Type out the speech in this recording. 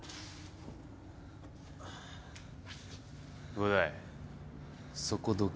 伍代そこどけ。